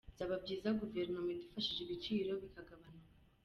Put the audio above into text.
Byaba byiza Guverinoma idufashije ibiciro bikagabanuka.